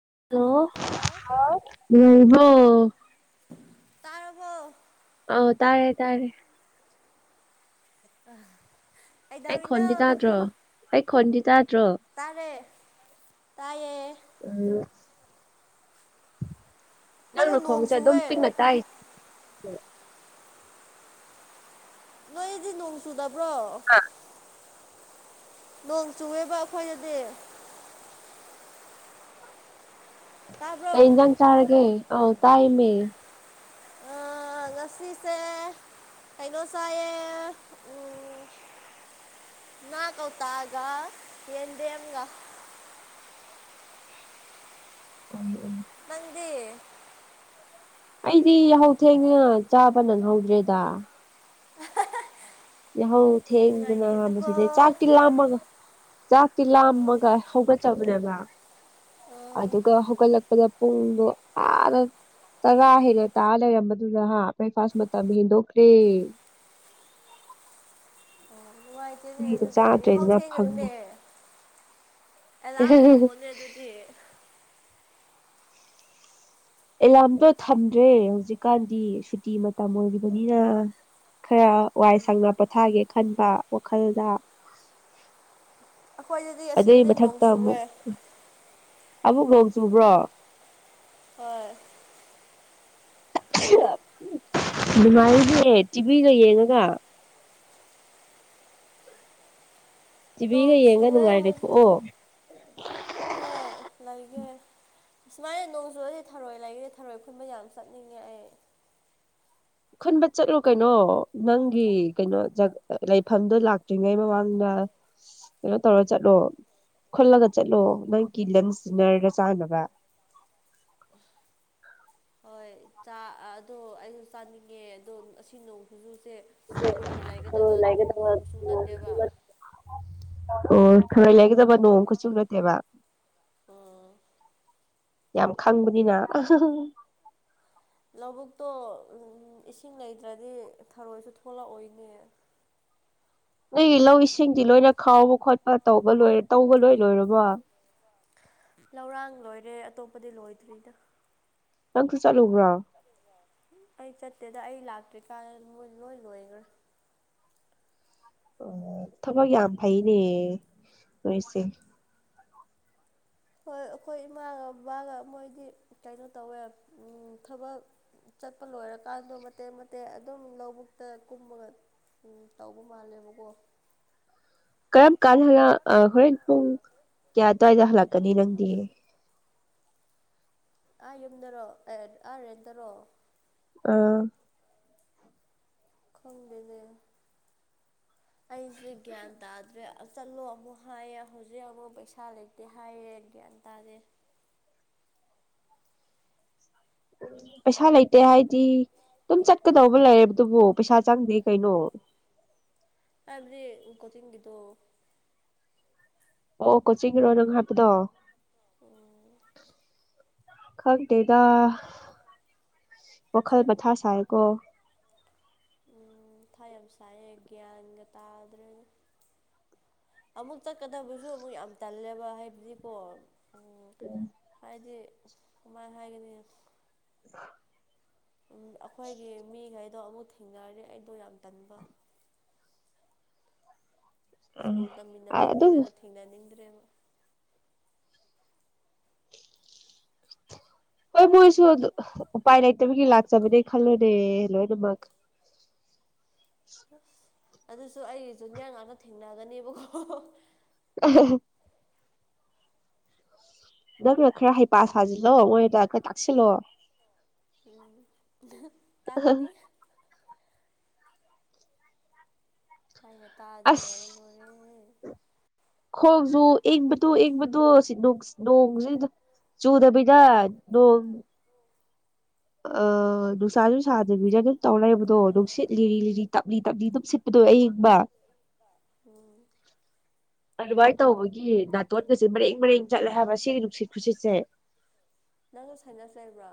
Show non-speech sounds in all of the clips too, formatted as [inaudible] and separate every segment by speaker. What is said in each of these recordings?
Speaker 1: hello ꯍꯣ
Speaker 2: ꯇꯥꯔꯔꯕꯣ
Speaker 1: ꯑꯥꯎ ꯇꯥꯔꯦ ꯇꯥꯔꯦ
Speaker 2: ꯑ
Speaker 1: ꯑꯩ ꯈꯟꯗꯤꯇꯥꯠꯇ꯭ꯔꯣ ꯑꯩ ꯈꯟꯗꯤꯇꯥ
Speaker 2: ꯇꯔꯦ ꯇꯌꯦ
Speaker 1: ꯑ
Speaker 2: ꯑꯩꯈꯣꯏꯗ
Speaker 1: ꯅꯪꯅ
Speaker 2: ꯅꯣꯡ
Speaker 1: ꯈꯣꯡꯁꯦ ꯑꯗꯨꯝ
Speaker 2: ꯆꯨꯋꯦ
Speaker 1: ꯇꯤꯡꯛꯅ ꯇꯥꯏ
Speaker 2: ꯅꯗꯤ ꯅꯣꯡꯁꯨꯗ
Speaker 1: ꯑꯥ
Speaker 2: ꯅꯣꯡ ꯆꯨꯑꯦꯕ ꯑꯩꯈꯣꯏꯗꯗꯤ ꯇꯥꯕ꯭ꯔꯣ
Speaker 1: ꯀꯖꯥꯡ ꯆꯥꯔꯒꯦ ꯑ ꯇꯥꯏꯃꯦ
Speaker 2: ꯎꯝ ꯉꯁꯤꯔꯤꯁꯦ ꯀꯩꯅꯣ ꯆꯌꯦ ꯎꯝ ꯅꯥ ꯀꯧ ꯇꯥꯒ ꯌꯦ ꯗꯦꯒ
Speaker 1: ꯑ
Speaker 2: ꯃꯗꯤ
Speaker 1: ꯑꯩꯗꯤ ꯍꯧ ꯊꯦꯡꯅꯅ ꯆꯥꯕ ꯅꯪꯍꯧꯗ꯭ꯔꯦꯗ
Speaker 2: [unintelligible]
Speaker 1: ꯌꯥꯍꯧ ꯊꯦꯡꯗꯅ
Speaker 2: ꯅꯨꯡꯉꯥꯏꯇꯦꯗꯀꯣ
Speaker 1: ꯍꯥꯕꯁꯤꯗꯩ ꯆꯥꯛꯇꯤ ꯂꯥꯝꯃꯒ ꯆꯥꯛꯇꯤ
Speaker 2: ꯑꯣ
Speaker 1: ꯂꯥꯝꯃꯒ ꯍꯧꯒꯠꯆꯕꯅꯦꯕ
Speaker 2: ꯑꯣ
Speaker 1: ꯑꯗꯨꯒ ꯍꯧꯒꯠꯂꯛ ꯑꯈ ꯄꯨꯡꯗꯣ ꯑꯔ ꯇꯔ ꯍꯥꯏ ꯑ ꯑꯂ ꯃꯗꯨꯅ ꯍꯥꯦ ꯐꯥꯁ ꯃ ꯃꯇꯝ ꯍ ꯗꯈꯔꯦ
Speaker 2: [unintelligible] ꯑꯣ ꯅꯨꯡꯉꯥꯏꯇꯦꯅꯦ
Speaker 1: ꯃꯤꯒ
Speaker 2: ꯑꯗꯨꯗꯤ ꯌꯥꯍꯥꯎ
Speaker 1: ꯆꯥꯗ꯭ꯔꯦꯗꯅ ꯐꯪꯉꯦ
Speaker 2: ꯊꯦꯡꯒꯅꯨꯅꯦ ꯑꯦꯂꯥꯔꯝ ꯊꯃꯅꯦ ꯑꯗꯨꯗꯤ
Speaker 1: ꯑꯦꯂꯥꯔꯝꯗꯣ ꯊꯝꯗ꯭ꯔꯦ ꯍꯧꯖꯤꯛꯀꯥꯟꯗꯤ ꯁꯨꯇꯤ ꯃꯇꯝ ꯑꯣꯏꯔꯤꯕꯅꯤꯅ ꯈꯔ ꯋꯥꯏ ꯁꯪꯅ ꯄꯣꯊꯥꯒꯦ ꯈꯟꯕ ꯋꯥꯈꯜꯗ
Speaker 2: [unintelligible] ꯑꯩꯈꯣꯏꯗꯗꯤ
Speaker 1: ꯑꯗꯨꯏ
Speaker 2: ꯑꯁꯤꯗꯗꯤ ꯅꯣꯡ
Speaker 1: ꯃꯊꯛꯇ ꯑꯃꯨꯛ
Speaker 2: ꯆꯨꯑꯦ
Speaker 1: ꯑꯃꯨꯛ ꯂꯧ ꯆꯨꯕ꯭ꯔꯣ
Speaker 2: ꯍꯣꯏ
Speaker 1: ꯅꯨꯡꯉꯥꯏꯁꯦ ꯇꯤꯚꯤꯒ ꯌꯦꯡꯉꯒ
Speaker 2: ꯅ
Speaker 1: ꯇꯤꯚꯤꯒ ꯌꯦꯡꯉ
Speaker 2: ꯁꯋꯦ
Speaker 1: ꯅꯨꯡꯉꯥꯏ
Speaker 2: ꯍꯧ
Speaker 1: ꯂꯩꯊꯣꯛꯑꯣ
Speaker 2: ꯍꯣꯏ ꯂ ꯑꯦ ꯁꯨꯃꯥꯏꯅ ꯅꯣꯡ ꯆꯨꯗꯗꯤ ꯊꯔꯣꯏ ꯂꯩꯒꯦ ꯊꯔꯣꯏ ꯈꯨꯟꯕ ꯌꯥꯝ ꯆꯠꯅꯤꯡꯉꯦ ꯑꯩ
Speaker 1: ꯈꯨꯟꯕ ꯆꯠꯂꯨ ꯀꯩꯅꯣ ꯅꯪꯒꯤ ꯀꯩꯅꯣꯖ ꯂꯩꯐꯝꯗꯣ ꯂꯥꯛꯇ꯭ꯔꯤꯉꯩ ꯃꯃꯥꯡꯗ ꯀꯩꯅꯣ ꯇꯧꯔ ꯆꯠꯂꯣ ꯈꯜꯂꯒ ꯆꯠꯂꯣ ꯅꯪꯒꯤ ꯂꯟꯁ ꯗꯤꯅꯔꯒ ꯆꯥꯅꯕ
Speaker 2: ꯑ ꯍꯣꯏ ꯑꯗꯣ ꯑꯩꯁꯨ ꯆꯥꯅꯤꯡꯉꯦ ꯑꯗꯣ ꯑꯁꯤ ꯅꯣꯡꯁꯤꯁꯨ ꯁꯦ ꯊꯔꯣꯏ
Speaker 1: ꯊꯔꯣꯏ
Speaker 2: ꯂꯩꯒꯗꯕ
Speaker 1: ꯂꯩꯒꯗꯕ
Speaker 2: ꯅꯣꯡꯃꯁꯨ ꯅꯠꯇꯦꯕ
Speaker 1: ꯑꯣ ꯈꯔ ꯂꯩꯒꯗꯕ ꯅꯣꯡ ꯈꯨꯠꯁꯨ ꯅꯠꯇꯦꯕ
Speaker 2: ꯎꯝ
Speaker 1: ꯌꯥꯝ ꯈꯪꯕꯅꯤꯅ
Speaker 2: ꯂꯧꯕꯨꯛꯇꯣ ꯏꯁꯤꯡ ꯂꯩꯇ꯭ꯔꯗꯤ ꯊꯔꯣꯏꯁꯨ ꯊꯣꯛꯂꯛꯑꯣꯏꯅꯦ [unintelligible]
Speaker 1: ꯅꯣꯏꯒꯤ ꯂꯧ ꯏꯁꯤꯡꯗꯤ ꯂꯣꯏꯅ ꯈꯥꯎꯕ ꯈꯣꯠꯄ ꯇꯧꯕ ꯂꯣꯏ ꯇꯧꯕ ꯂꯣꯏ ꯂꯣꯏꯔꯕꯣ
Speaker 2: ꯂꯧꯔꯥꯡ ꯂꯣꯏꯔꯦ ꯑꯇꯣꯞꯄꯗꯤ ꯂꯣꯏꯗ꯭ꯔꯤꯗ
Speaker 1: ꯆꯥꯡꯪꯁ ꯆꯠꯂ
Speaker 2: ꯑꯩ ꯆꯠꯇꯦꯗ ꯑꯩ ꯂꯥꯛꯇ꯭ꯔꯤ ꯀꯥꯟꯗ ꯃꯣꯏ ꯂꯣꯏ ꯂꯣꯏꯈ꯭ꯔꯦ
Speaker 1: ꯑꯣ ꯊꯕꯛ ꯌꯥꯝ ꯐꯩꯅꯦ ꯅꯣꯏꯁꯦ
Speaker 2: ꯍꯣꯏ ꯑꯩꯈꯣꯏ ꯏꯃꯥꯒ ꯕꯕꯥꯒ ꯃꯣꯏꯗꯤ ꯀꯩꯅꯣ ꯇꯧꯋꯦ ꯊꯕꯛ ꯆꯠꯄ ꯂꯣꯏꯔꯀꯥꯟꯗꯣ ꯃꯇꯦꯛ ꯃꯇꯦꯛ ꯑꯗꯨꯝ ꯂꯧꯕꯨꯛꯇ ꯀꯨꯝꯃꯒ ꯎꯝ ꯇꯧꯕ ꯃꯥꯜꯂꯦꯕꯀꯣ
Speaker 1: ꯀꯔꯝ ꯀꯥꯟ [unintelligible] ꯍꯣꯔꯦꯟ ꯄꯨꯡ ꯀꯌꯥ ꯑꯗꯨꯋꯥꯏꯗ ꯍꯜꯂꯛꯀꯅꯤ ꯅꯪꯗꯤ
Speaker 2: ꯑꯥ ꯌꯨꯝꯗꯔꯣ ꯑꯥꯔꯦꯟꯇꯔꯣ
Speaker 1: ꯑ
Speaker 2: ꯈꯪꯗꯦꯅꯦ ꯑꯩꯁꯦ ꯒ꯭ꯌꯥꯟ ꯇꯥꯗ꯭ꯔꯦ ꯆꯠꯂꯣ ꯑꯃꯨꯛ ꯍꯥꯏꯌꯦ ꯍꯧꯖꯤꯛ ꯑꯃꯨꯛ ꯄꯩꯁꯥ ꯂꯩꯇꯦ ꯍꯥꯏꯌꯦ ꯒ꯭ꯌꯥꯟ ꯇꯥꯗꯦ
Speaker 1: ꯄꯩꯁꯥ ꯂꯩꯇꯦ ꯍꯥꯏꯗꯤ ꯑꯗꯨꯝ ꯆꯠꯀꯗꯧꯕ ꯂꯩꯔꯕꯗꯨꯕꯨ ꯄꯩꯁꯥ ꯆꯪꯗꯦ ꯀꯩꯅꯣ
Speaker 2: ꯍꯥꯏꯕꯗꯤ ꯀꯣꯆꯤꯡꯒꯤꯗꯣ
Speaker 1: ꯑꯣ ꯀꯣꯆꯤꯡꯒꯤꯔꯣ ꯅꯪ ꯍꯥꯏꯄꯗꯣ
Speaker 2: ꯑꯣ
Speaker 1: ꯈꯪꯗꯦꯗ ꯋꯥꯈꯜ ꯃꯊꯥ ꯁꯥꯥꯏꯀꯣ
Speaker 2: ꯎꯝ ꯃꯊꯥ ꯌꯥꯝ ꯁꯥꯏꯌꯦ ꯒ꯭ꯌꯥꯟꯒ ꯇꯥꯗ꯭ꯔꯦꯅꯦ ꯑꯃꯨꯛ ꯆꯠꯀꯗꯕꯁꯨ ꯑꯃꯨꯛ ꯌꯥꯝ ꯇꯜꯂꯦꯕ ꯍꯥꯏꯕꯗꯤꯀꯣ ꯑꯣ ꯍꯥꯏꯗꯤ ꯀꯃꯥꯏꯅ ꯍꯥꯏꯒꯅꯤ
Speaker 1: [unintelligible]
Speaker 2: ꯎꯝ ꯑꯩꯈꯣꯏꯒꯤ ꯃꯤꯈꯩꯗꯣ ꯑꯃꯨꯛ ꯊꯦꯡꯅꯔꯅꯤ ꯑꯩꯗꯣ ꯌꯥꯝ ꯇꯟꯕ
Speaker 1: ꯎꯝ
Speaker 2: ꯁ꯭ꯀꯨꯜ ꯇꯝꯃꯤꯟꯅꯕ
Speaker 1: ꯑꯗꯨꯝ
Speaker 2: ꯃꯤꯒꯩꯗꯣ ꯊꯦꯡꯅꯅꯤꯡꯗ꯭ꯔꯦ
Speaker 1: ꯍꯣꯏ ꯃꯣꯏꯁꯨ ꯑꯗꯨ ꯎꯄꯥꯏ ꯂꯩꯇꯕꯒꯤ ꯂꯥꯛꯆꯕꯅꯦ ꯈꯜꯂꯨꯅꯦ ꯂꯣꯏꯅꯃꯛ
Speaker 2: [unintelligible] ꯑꯗꯨꯁꯨ ꯑꯩꯒꯤꯁꯨꯟꯅꯦ ꯉꯥꯛꯇ ꯊꯦꯡꯅꯒꯅꯦꯕꯀꯣ
Speaker 1: ꯑ ꯅꯪꯅ ꯈꯔ ꯍꯩꯄꯥ ꯁꯥꯖꯤꯜꯂꯣ ꯃꯣꯏꯗ ꯈꯔ ꯇꯥꯛꯁꯤꯜꯂꯣ
Speaker 2: ꯎꯝ ꯇꯥꯛꯀꯅꯤ ꯑꯩꯅ ꯇꯥꯛꯑꯗꯤ ꯂꯣꯏꯔꯦ
Speaker 1: ꯑꯁ
Speaker 2: ꯂꯣꯏꯔꯦ
Speaker 1: ꯈꯣꯡꯁꯨ ꯏꯪꯕꯗꯨ ꯏꯪꯕꯗꯣ ꯁꯤ ꯅꯣꯡꯁꯤꯗ ꯆꯨꯗꯕꯤꯗ ꯅꯣꯡ ꯑ ꯅꯨꯡꯁꯥꯁꯨ ꯁꯥꯗꯕꯤꯗ ꯑꯗꯨꯝ ꯇꯧ ꯂꯩꯕꯗꯣ ꯅꯨꯡꯁꯤꯠ ꯂꯤꯔꯤ ꯂꯤꯔꯤ ꯇꯞꯂꯤ ꯇꯞꯂꯤ ꯑꯗꯨꯝ ꯁꯤꯠꯄꯗ ꯑꯌꯤꯡꯕ
Speaker 2: ꯎꯝ
Speaker 1: ꯑꯗꯨꯃꯥꯏ ꯇꯧꯕꯒꯤ ꯅꯥꯇꯣꯟꯒꯁꯦ ꯃꯔꯦꯡ ꯃꯔꯦꯡ ꯆꯠꯂꯦ ꯍꯥꯏꯕ ꯁꯤꯒꯤ ꯅꯨꯡꯁꯤꯠ ꯈꯨꯁꯤꯠꯁꯦ
Speaker 2: ꯅꯪꯅ ꯁꯥꯏꯅꯁ ꯂꯩꯕ꯭ꯔꯣ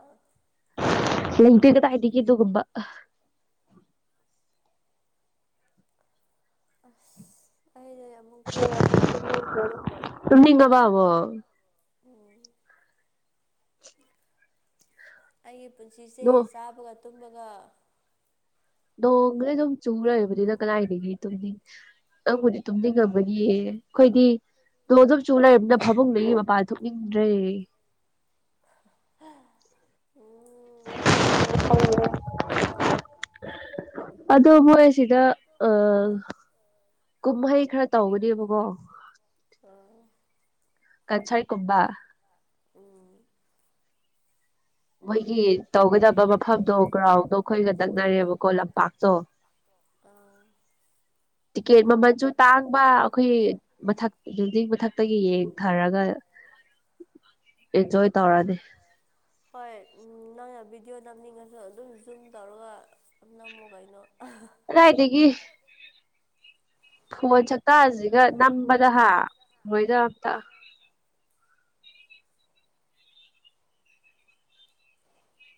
Speaker 1: ꯂꯩꯇꯦ ꯀꯗꯥꯏꯗꯒꯤ ꯑꯗꯨꯒꯨꯝꯕ
Speaker 2: ꯑꯁ ꯑꯩꯗꯤ ꯑꯃꯨꯛ ꯇꯨꯝꯅꯤꯡꯈ꯭ꯔꯦꯗ
Speaker 1: [unintelligible] ꯇꯨꯝꯅꯤꯡ ꯉꯕ ꯑꯃꯨꯛ
Speaker 2: ꯎꯝ
Speaker 1: [inaudible]
Speaker 2: ꯑꯩꯒꯤ ꯄꯨꯟꯁꯤꯁꯦ ꯆꯥꯕꯒ ꯇꯨꯝꯕꯒ
Speaker 1: ꯅꫭꯡꯖꯦ ꯑꯗꯨꯝ ꯆꯨ ꯂꯩꯔꯕꯅꯤꯅ ꯀꯗꯥꯥꯏꯗꯩ ꯇꯨꯝꯅꯤꯡ ꯅꯪꯕꯨꯗꯤ ꯇꯨꯝꯅꯤꯡꯉꯝꯃꯅꯤꯌꯦ ꯑꯩꯈꯣꯏꯗꯤ ꯅꫭꯡ ꯑꯗꯨꯝ ꯆꯨ ꯂꯩꯔꯕꯅꯤꯅ ꯐꯃꯨꯡꯗꯒꯤ ꯃꯄꯥꯟ ꯊꯣꯛꯅꯤꯡꯗ꯭ꯔꯦ
Speaker 2: ꯎꯝ ꯈꯪꯗ꯭ꯔꯦ
Speaker 1: ꯑꯗꯣ ꯍꯣꯏ ꯁꯤꯗ ꯑꯥ ꯀꯨꯝꯍꯩ ꯈꯔ ꯇꯧꯕ ꯗꯤꯕꯀꯣ
Speaker 2: ꯑꯥ
Speaker 1: ꯀꯟꯁꯔꯠ ꯀꯨꯝꯕ
Speaker 2: ꯎꯝ
Speaker 1: ꯃꫭꯏꯒꯤ ꯇꯧꯒꯗꯕ ꯃꯐꯝꯗꯣ ꯒ꯭ꯔꯥꯎꯟꯗꯣ ꯑꯩꯈꯣꯏꯒ ꯇꯛꯅꯔꯦꯕꯀꯣ ꯂꯝꯄꯥꯛꯇꯣ
Speaker 2: ꯑꯥ
Speaker 1: ꯇꯤꯛꯀꯦꯠ ꯃꯃꯜꯁꯨ ꯇꯥꯡꯕ ꯑꯩꯈꯣꯏ ꯃꯊꯛ ꯕꯤꯜꯗꯤꯡ ꯃꯊꯛꯇꯒꯤ ꯌꯦꯡꯊꯔꯒ
Speaker 2: [inaudible]
Speaker 1: ꯑꯦꯟꯖꯣꯏ ꯇꯧꯔꯅꯤ
Speaker 2: ꯍꯣꯏ ꯅꯪꯅ ꯚꯤꯗꯤꯑꯣ ꯅꯝꯅꯤꯡꯉꯁꯨ ꯑꯗꯨꯝ ꯖꯨꯝ ꯇꯧꯔꯒ ꯑꯗꯨ ꯅꯝꯃꯨ ꯀꯩꯅꯣ
Speaker 1: ꯀꯗꯥꯏꯗꯒꯤ ꯐꯣꯟ ꯁꯛꯇꯥꯁꯤꯒ ꯅꯝꯕꯗ ꯍꯥ ꯅꯣꯏꯗ ꯑꯝꯇ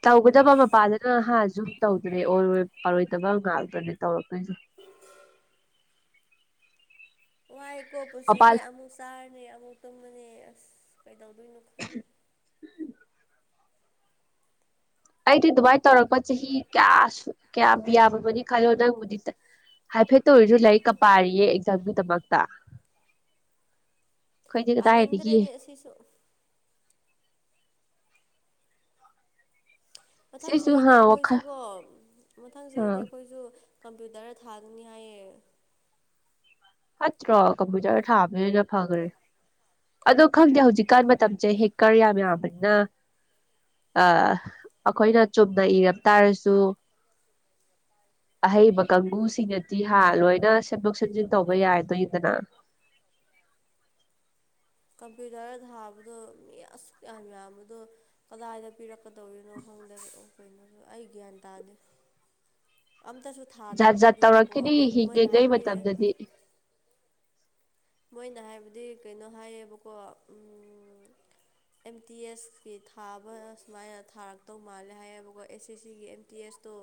Speaker 1: ꯇꯧꯒꯗꯕ
Speaker 2: ꯑꯁ
Speaker 1: ꯃꯄꯥꯗꯅ ꯍꯥ ꯖꯨꯝ ꯇꯧꯗꯔꯦ ꯑꫭꯏꯔꯣꯏ ꯄꯥꯔꫭꯏꯗꯕ ꯉꯥꯛꯇꯅꯦ ꯇꯧꯔꯛꯇꯨꯏꯁꯦ
Speaker 2: ꯋꯥꯏꯀꯣ
Speaker 1: ꯃꯄꯥꯜ
Speaker 2: ꯄꯨꯟꯁꯤꯁꯦ ꯑꯃꯨꯛ ꯆꯥꯔꯅꯤ ꯑꯃꯨꯛ ꯇꯨꯝꯃꯅꯤ ꯑꯁ ꯀꯩꯗꯧꯗꯣꯏꯅꯣ ꯈꯪ
Speaker 1: ꯑꯩꯗꯤ ꯑꯗꯨꯃꯥꯏꯅ ꯇꯧꯔꯛꯄ ꯆꯍꯤ ꯀꯌꯥ ꯁꯨ ꯀꯌꯥꯝ ꯌꯥꯝꯃꯃꯅꯤ ꯈꯜꯂꯣ ꯅꯪꯕꯨꯗꯤꯗ ꯍꯥꯏꯐꯦꯠꯇ ꯑꫭꯏꯔꯁꯨ ꯂꯥꯏꯔꯤꯛꯀ ꯄꯥꯔꯤꯌꯦ ꯑꯦꯛꯖꯥꯝꯒꯤꯗꯃꯛꯇ ꯑꯩꯈꯣꯏꯗꯤ ꯀꯗꯥꯏꯗꯒꯤ
Speaker 2: ꯄꯥꯅꯤꯗ꯭ꯔꯦꯅꯦ ꯑꯁꯤꯁꯨ ꯃꯊꯪ
Speaker 1: ꯁꯤꯁꯨ
Speaker 2: ꯆꯍꯤꯗꯤ
Speaker 1: ꯍꯥ
Speaker 2: ꯑꯩꯈꯣꯏꯁꯨ
Speaker 1: ꯋꯥꯈꯜ
Speaker 2: ꯀꯣ ꯃꯊꯪ
Speaker 1: ꯑꯥ
Speaker 2: ꯆꯍꯤꯗꯤ ꯑꯩꯈꯣꯏꯁꯨ ꯀꯝꯄ꯭ꯌꯨꯇꯔꯗ ꯊꯥꯒꯅꯤ ꯍꯥꯏꯌꯦ
Speaker 1: ꯐꯠꯇ꯭ꯔꯣ ꯀꯝꯄ꯭ꯌꯨꯇꯔ ꯊꯥꯕꯗꯨꯅ ꯍꯦꯟꯅ ꯐꯒ꯭ꯔꯦ ꯑꯗꯣ ꯈꯪꯗꯦ ꯍꯧꯖꯤꯛꯀꯥꯟ ꯃꯇꯝꯁꯦ ꯍꯦꯛꯀꯔ ꯌꯥꯝ ꯌꯥꯝꯕꯅꯤꯅ ꯑ ꯑꯩꯈꯣꯏꯅ ꯆꯨꯝꯅ ꯏꯔꯝ ꯇꯥꯔꯁꯨ ꯑꯍꯩꯕ ꯀꯥꯡꯕꯨꯁꯤꯡꯅꯗꯤ ꯍꯥ ꯂꯣꯏꯅ ꯁꯦꯝꯗꯣꯛ ꯁꯦꯝꯖꯤꯟ ꯇꯧꯕ ꯌꯥꯔꯗꯣꯏꯟꯗꯅ
Speaker 2: ꯀꯝꯄ꯭ꯌꯨꯇꯔ ꯊꯥꯕꯗꯣ ꯃꯤ ꯑꯁꯨꯛ ꯌꯥꯝ ꯌꯥꯝꯕꯗꯣ ꯀꯗꯥꯏꯗ ꯄꯤꯔꯛꯀꯗꯧꯔꯤꯅꯣ ꯍ ꯗꯅ ꯑꫭ ꯀꯩꯅꫭꯁꯨ ꯑꯩ ꯒ꯭ꯌꯥꯟ ꯇꯥꯗꯦ ꯑꯝꯇꯁꯨ
Speaker 1: ꯖꯥꯠ ꯖꯥꯠ
Speaker 2: ꯊꯥꯗꯔꯤꯕꯅꯤꯅꯀꯣ
Speaker 1: ꯇꯧꯔꯛꯈꯤꯅꯤ
Speaker 2: ꯃꯣꯏꯅ
Speaker 1: ꯍꯤꯡꯂꯤꯉꯩ
Speaker 2: ꯍꯥꯏꯕꯗꯤ
Speaker 1: ꯃꯇꯝꯗꯗꯤ
Speaker 2: ꯃꯣꯏꯅ ꯍꯥꯏꯕꯗꯤ ꯀꯩꯅꯣ ꯍꯥꯏꯌꯦꯕꯀꯣ ꯎꯝ ꯑꯦꯝ ꯇꯤ ꯑꯦꯁ ꯀꯤ ꯊꯥꯕ ꯁꯨꯃꯥꯏꯅ ꯊꯥꯔꯛꯇꯧ ꯃꯥꯜꯂꯦ ꯍꯥꯏꯌꯦꯕꯀꯣ ꯑꯦꯁ ꯁꯤ ꯁꯤꯒꯤ ꯑꯦꯝ ꯇꯤ ꯑꯦꯁ ꯇꯣ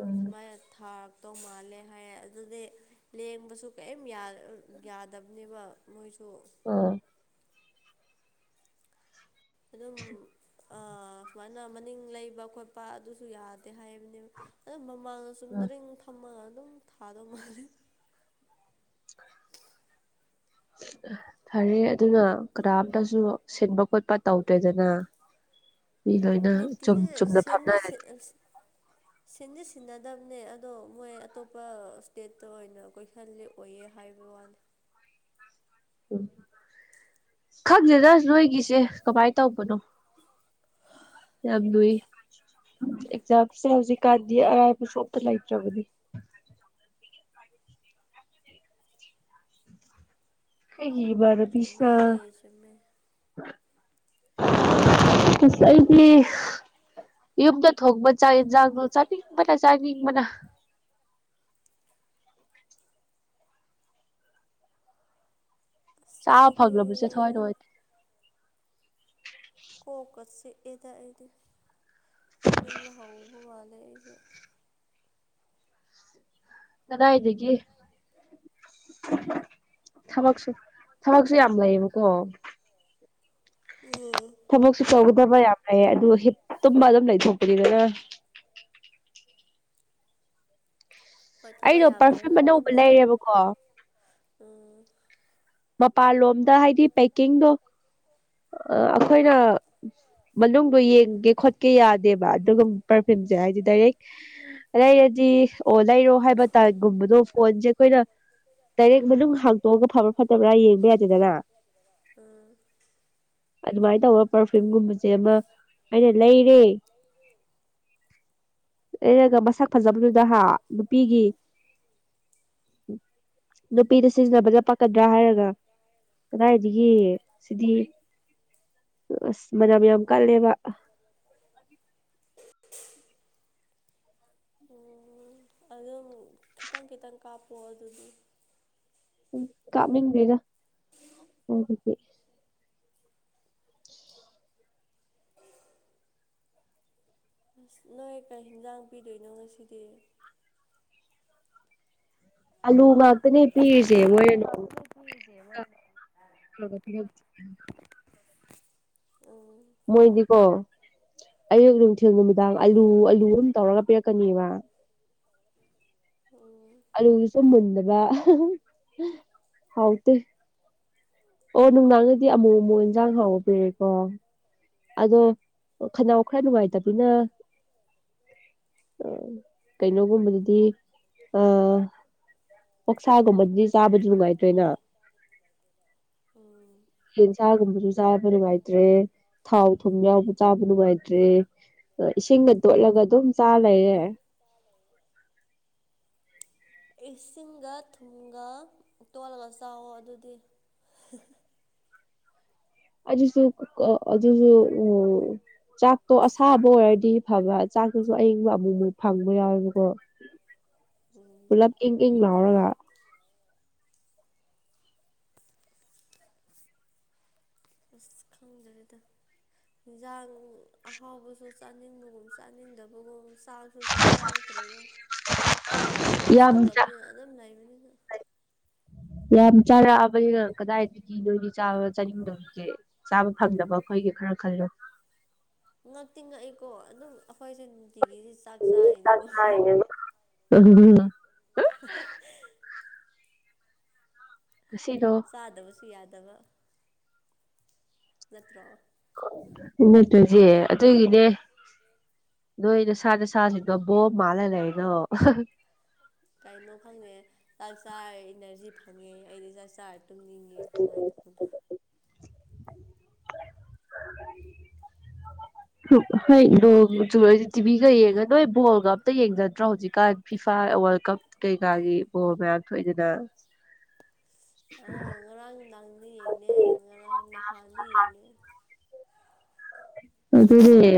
Speaker 2: ꯎꯝ ꯁꯨꯃꯥꯏꯅ ꯊꯥꯔꯛꯇꯧ ꯃꯥꯜꯂꯦ ꯍꯥꯏꯌꯦ ꯑꯗꯨꯗꯤ ꯂꯦꯡꯕꯁꯨ ꯀꯔꯤꯝ ꯌꯥ ꯑꯝ ꯌꯥꯗꯕꯅꯦꯕ ꯃꯣꯏꯁꯨ
Speaker 1: ꯑꯥ
Speaker 2: ꯑꯗꯨꯝ ꯑ ꯁꯨꯃꯥꯏꯅ ꯃꯅꯤꯡ ꯂꯩꯕ ꯈꯣꯠꯄ ꯑꯗꯨꯁꯨ ꯌꯥ ꯍ‌ꯦ ꯍꯥꯏꯕꯅꯦꯕ ꯑꯗꫭ ꯃꯃꯥꯡ
Speaker 1: ꯑꯥ
Speaker 2: ꯆꯨꯝꯗꫪꯤꯡ ꯐꯝꯃꯒ ꯑꯗꯨꯝ ꯊꯥꯗꯧ ꯃꯜꯂ‌ꯦ
Speaker 1: ꯐꯔꯦ ꯑꯗꯨꯅ ꯀꯅꯥꯝꯇꯁꯨ ꯁꯤꯟꯕ ꯈꯣꯠꯄ ꯇꯧꯗ꯭ꫪ‌ꯦꯗꯅ
Speaker 2: [unintelligible]
Speaker 1: ꯃꯤ ꯂꯣꯏꯅ ꯆꯨꯝ
Speaker 2: ꯅꯤꯠꯀꯤꯁꯦ
Speaker 1: ꯆꯨꯝꯅ
Speaker 2: ꯁꯤꯟꯁꯦ
Speaker 1: ꯐꯝꯅꯔꯦ
Speaker 2: ꯁꯤꯟꯗꯤ ꯁꯤꯟꯅꯗꯕꯅꯦ ꯑꯗꯣ ꯃꯣꯏ ꯑꯇꯣꯞꯄ ꯏꯁꯇꯦꯠꯇ ꯑꯣꯏꯅ ꯀꯣꯏꯁꯜꯂꯤꯛ ꯑꯣꯏꯌꯦ ꯍꯥꯏꯕ ꯋꯥꯅꯤ [inaudible]
Speaker 1: ꯎ ꯈꯪꯗꯦꯗ ꯅꯣꯏꯒꯤꯁꯦ ꯀꯃꯥꯏ ꯇꯧꯕꯅꯣ ꯌꯥꯝꯂꯨꯏ ꯑꯦꯛꯖꯥꯝꯁꯦ ꯍꯧꯖꯤꯛꯀꯥꯟꯗꯤ ꯑꯔꯥꯏꯕꯁꯨ ꯑꯝꯇ ꯂꯩꯇ꯭ꯔꯕꯅꯤ ꯑꯩꯒꯤ ꯏꯃꯟꯅ ꯄꯤꯁ
Speaker 2: ꯆꯨꯝꯃꯦ ꯆꯨꯝꯃꯦ
Speaker 1: ꯏꯁ ꯑꯩꯗꯤ ꯌꯨꯝꯗ ꯊꯣꯡꯕ ꯆꯥꯛ ꯑꯦꯟꯖꯥꯡꯗꯣ ꯆꯥꯅꯤꯡꯕꯅ ꯆꯥꯅꯤꯡꯕꯅ
Speaker 2: ꯑꯁ
Speaker 1: ꯆꯥ
Speaker 2: ꯑꯩꯗꯤ
Speaker 1: ꯐꯪꯗꯕꯁꯦ ꯊꯧꯋꯥꯏ ꯅꯨꯡꯉꯥꯏꯇ‌ꯦ
Speaker 2: ꯀꯣꯛꯀ ꯆꯤꯛ ꯑꯦꯗ ꯑꯩꯗꯤ ꯇꯨꯝꯅꯤꯡꯕ ꯍꯧꯕ ꯃꯥꯜꯂꯦ ꯑꯩꯁꯦ
Speaker 1: ꯀꯗꯥꯏꯗꯒꯤ ꯊꯕꯛꯁꯨ ꯊꯕꯛꯁꯨ ꯌꯥꯝ ꯂꯩꯌꯦꯕꯀꯣ
Speaker 2: ꯎꯝ
Speaker 1: ꯊꯕꯛꯁꯨ ꯇꯧꯒ ꯊꯕ ꯌꯥꯝ ꯂꯩꯌ‌ꯦ ꯑꯗꯨ ꯍꯤꯠ ꯇꯨꯃꯒ ꯑꯗꯨꯝ ꯂꯩꯊꯣꯛꯄꯅꯤꯗ
Speaker 2: ꯍꯣꯏ ꯊꯕꯛ
Speaker 1: ꯑꯩꯗꯣ ꯄꯔꯐꯤꯝ
Speaker 2: ꯌꯥꯝꯃꯜꯂꯁꯨ
Speaker 1: ꯑꯅꯧꯕ
Speaker 2: ꯇꯨꯝꯃꯣ
Speaker 1: ꯂꯩꯔꯦꯕꯀꯣ
Speaker 2: ꯎꯝ
Speaker 1: ꯃꯄꯥꯟꯂꯣꯝꯗ ꯍꯥꯏꯗꯤ ꯄꯦꯛꯀꯤꯡꯗꯣ ꯑꯩꯈꯣꯏꯅ ꯃꯅꯨꯡꯗꯣ ꯌꯦꯡꯒꯦ ꯈꯣꯠꯀꯦ ꯌꯥꯗꯦꯕ ꯑꯗꯨꯒ ꯄꯔꯐꯤꯝ ꯖ‌ꯦ ꯍꯥꯏꯗꯤ ꯗꯥꯏꯔꯦꯛ ꯂꯩꯔꯗꯤ ꯑꯣ ꯂꯩꯔꯣ ꯍꯥꯏꯕ ꯇꯥꯔꯒꯨꯝꯕꯗꯣ ꯐꯣꯟꯖ‌ꯦ ꯑꯩꯈꯣꯏꯅ ꯗꯥꯏꯔꯦꯛ ꯃꯅꯨꯡ ꯍꯥꯡꯇꯣꯛꯑꯒ ꯐꯕ꯭ꯔꯥ ꯐꯠꯇꯕ꯭ꯔꯥ ꯌꯦꯡꯕ ꯌꯥꯗꯦꯗꯅ
Speaker 2: ꯑ
Speaker 1: ꯑꯗꯨꯃꯥꯏꯅ ꯇꯧꯕ ꯄꯔꯐꯤꯝꯒꯨꯝꯕꯖ‌ꯦ ꯑꯃ ꯑꯩꯅ ꯂꯩꯔꯦ
Speaker 2: [inaudible]
Speaker 1: ꯂꯩꯔꯒ ꯃꯁꯛ ꯐꯖꯕꯗꯨꯗ ꯍꯥ ꯅꯨꯄꯤꯒꯤ ꯅꯨꯄꯤꯗ ꯁꯤꯖꯤꯟꯅꯕꯗ ꯄꯥꯛ ꯀꯗ꯭ꯔꯥ ꯍꯥꯏꯔꯒ ꯀꯗꯥꯏꯗꯒꯤ ꯁꯤꯗꯤ ꯑꯁ ꯃꯅꯝ ꯌꯥꯝ ꯀꯜꯂꯦꯕ
Speaker 2: [unintelligible] ꯑꫭ ꯑꯗꯨꯝ ꯈꯤꯇꯪ ꯈꯤꯇꯪ ꯀꯥꯞꯄꫭ ꯑꯗꯨꯗꯤ
Speaker 1: ꯎꯝ ꯀꯥꯞꯅꯤꯡꯗꯩꯗ ꯃꯗꯨꯗꯤ
Speaker 2: ꯑꯁ ꯅꯣꯏ ꯀꯌꯩ ꯍꯤꯡꯖꯥꯡ ꯄꯤꯗꯣꯏꯅꯣ ꯉꯁꯤꯗꯤ
Speaker 1: ꯑꯜꯂꯨ ꯉꯥꯜ ꯀꯅꯤ ꯄꯤꯔꯤꯖ‌ꯦ ꯃꫭꯏꯅꯅꫭ
Speaker 2: ꯎꯝ
Speaker 1: ꯃꯣꯏꯗꯤꯀꯣ ꯑꯌꯨꯛ ꯅꯨꯡꯊꯤꯜ ꯅꯨꯃꯤꯗꯥꯡ ꯑꯥꯂꯨ
Speaker 2: ꯎꯝ
Speaker 1: ꯑꯥꯂꯨ ꯑꯗꯨꯝ ꯇꯧꯔꯒ ꯄꯤꯔꯛꯀꯅꯦꯕ
Speaker 2: ꯎꯝ
Speaker 1: ꯑꯜ ꯂꯨꯗꯨꯁꯨ ꯃꯨꯟꯗꯕ ꯍꯥꯎꯇꯦ ꯑꯣ ꯅꯨꯡꯗꯥꯡꯗꯗꯤ ꯑꯃꯨꯛ ꯑꯃꯨꯛ ꯏꯟꯖꯥꯡ ꯍꯥꯎꯕ ꯄꯤꯔꯩꯏꯀꫭ ꯑꯗꯣ ꯈꯟ ꯅꯥꯎ ꯈꯔꯥ ꯅꯨꯡꯉꯥꯏꯇꯕꯅꯤꯅ ꯑ ꯀꯩꯅꯣꯒꯨꯝꯕꯗꯗꯤ ꯑ ꯑꫭꯛꯁꯥꯒꯨꯝꯕꯗꯨꯗꯤ ꯆꯥꯕꯗꯤ ꯅꯨꯡꯉꯥꯏꯇꫪ‌ꯦꯅ
Speaker 2: ꯎꯝ
Speaker 1: ꯌꯦꯟꯁꯥꯡꯒꯨꯝꯕꯁꯨ ꯆꯥꯕ ꯅꯨꯡꯉꯥꯏꯇ꯭ꯔꯦ ꯊꯥꯎ ꯊꯨꯝ ꯌꯥꯎꯕ ꯆꯥꯕ ꯅꯨꯡꯉꯥꯏꯇ꯭ꯔꯦ ꯏꯁꯤꯡꯒ ꯇꯣꯠꯂꯒ ꯑꯗꯨꯝ ꯆꯥ ꯂꯩꯔꯦ
Speaker 2: [unintelligible] ꯏꯁꯤꯡꯒ ꯊꯨꯝꯒ ꯇꯣꯜꯂꯒ ꯆꯥꯎꯋꯣ ꯑꯗꯨꯗꯤ [unintelligible]
Speaker 1: ꯑꯖꯤꯁꯨ ꯑꯗꯨꯖꯤꯁꯨ ꯆꯥꯛꯇꯣ ꯑꯁꯥꯕ ꯑꯣꯏꯔꯗꯤ ꯐꯕ ꯆꯥꯛꯇꯁꯨ ꯑꯏꯤꯡꯕ ꯑꯃꯨꯛꯃꯨꯛ ꯐꯪꯕ ꯌꯥꯎꯋꯦꯕꯀꯣ
Speaker 2: ꯎ
Speaker 1: ꯄꯨꯂ ꯌꯦꯡꯦ ꯍꯂꯒ
Speaker 2: ꯑꯁ ꯈꯝꯗꯔꯦꯗ ꯌꯦꯟꯁꯥꯡ ꯑꯍꯥꯎꯕꯁꯨ ꯆꯥꯅꯤꯡꯕꯒꯨꯝ ꯆꯥꯅꯤꯡꯗꯕꯒꯨꯝ ꯆꯥꯁꯨ ꯆꯥꯅꯤꯡ ꯉꯥꯎꯇꯔꯦ ꯑꯗꯨ ꯑꯗꯨꯝ ꯊꯕꯛ
Speaker 1: ꯌꯥꯝ ꯆꯥ
Speaker 2: ꯁꯨꯗꯕꯅꯤꯅ ꯑꯗꯨꯝ ꯂꯩꯕꯅꯤꯅ
Speaker 1: ꯌꯥꯝ ꯆꯥꯔꯛꯑꯕꯅꯤꯅ ꯀꯗꯥꯏꯗꯗꯤ ꯅꯣꯏꯗꯤ ꯆꯥꯕ ꯆꯥꯅꯤꯡꯗꯕꯁꯦ ꯆꯥꯕ ꯐꯪꯗꯕꯀꯣ ꯑꯩꯣꯏꯒꯤꯦ ꯈꯔ ꯈꯜꯂꯣ
Speaker 2: [unintelligible] ꯉꯛꯇꯤ ꯉꯛꯏꯀꯣ ꯑꯗꯨꯝ ꯑꯩꯈꯣꯏꯁꯦ ꯅꯨꯡꯇꯤꯒꯤꯁꯤ ꯆꯥꯛ
Speaker 1: ꯆꯥꯛ
Speaker 2: ꯆꯥꯔꯤꯅꯦꯕ
Speaker 1: ꯆꯥꯔꯤꯅꯦꯕ ꯎꯝ ꯉꯁꯤꯅꯣ
Speaker 2: ꯆꯥꯗꯕꯁꯨ ꯌꯥꯗꯕ ꯅꯠꯇ
Speaker 1: ꯅꯠꯇ꯭ꯔꯁꯦ ꯑꯗꯨꯒꯤꯅꯦ ꯂꯣꯏꯗ ꯁꯥꯅꯦꯦ ꯁꯥ ꯁꯤꯇ ꯣ ꯃꯥꯂ ꯂꯩꯩꯅꯣ
Speaker 2: ꯀꯩꯅꯣ ꯈꯪꯗꯦ ꯆꯥꯛ ꯆꯥꯔ ꯏꯅꯔꯖꯤ ꯐꯪꯉꯦ ꯑꯩꯗꯤ ꯆꯥꯛ ꯆꯥꯔ ꯇꯝꯅꯤꯡꯉꯦ ꯀꯃꯥꯏꯅ ꯇꯧꯧꯕꯅꯣ
Speaker 1: ꯍꯩ ꯅꯨꯔꯗꯤ ꯇꯤꯚꯤꯒ ꯌꯦꯡꯉ ꯅꯣꯏ ꯕꯣꯜꯒ ꯑꯝꯇ ꯌꯦꯡꯖꯗ꯭ꯔꯣ ꯍꯧꯖꯤꯛꯀꯥꯟ ꯐꯤꯐꯥ ꯋꯥꯔꯜ ꯀꯞ ꯀꯩꯀꯥꯒꯤ ꯕꯣꯜ ꯃꯌꯥꯝ ꯊꯣꯛꯏꯗꯅ
Speaker 2: [unintelligible] ꯑ ꯉꯔꯥꯡ ꯅꯪꯅ ꯌꯦꯡꯅꯦ ꯉꯔꯥꯡ ꯅꯍꯥꯟꯗ ꯌꯦꯡꯉꯦ
Speaker 1: ꯑꯗꯨꯗꯤꯦ